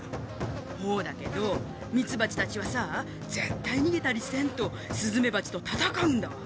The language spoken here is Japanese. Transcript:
ほうだけどミツバチたちはさぁぜったいにげたりせんとスズメバチとたたかうんだわ。